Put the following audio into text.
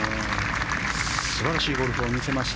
素晴らしいゴルフを見せました